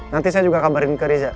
nanti saya juga kabarin ke riza